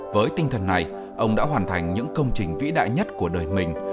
với tinh thần này ông đã hoàn thành những công trình vĩ đại nhất của đời mình